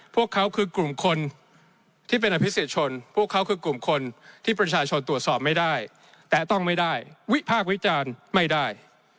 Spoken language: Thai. พวกเขาคือกลุ่มคนที่เป็นอภิเศษชนพวกเขาคือกลุ่มคนที่ประชาชนตรวจสอบไม่ได้แต่ต้องไม่ได้วิพากษ์วิจารณ์ไม่ได้